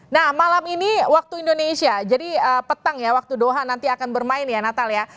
nah malam ini waktu indonesia jadi petang ya waktu doha nanti akan bermain ya natal ya